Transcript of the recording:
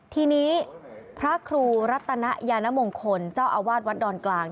ทีนี้พระครูรัตนยานมงคลเจ้าอาวาสวัดดอนกลาง